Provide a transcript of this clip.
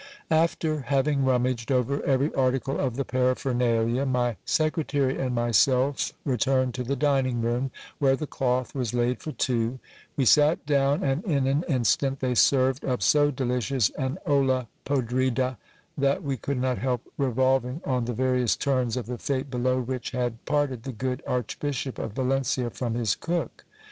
After having rummaged over every article of the paraphernalia, my secretary and myself returned to the dining room, where the cloth was laid for two ; we sat down ; and in an instant they served up so delicious an olla podrida, that we could not help revolving on the various turns of the fate below which had parted the good Archbishop of Valencia from his cook.